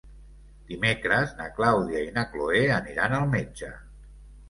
Dimecres na Clàudia i na Cloè aniran al metge.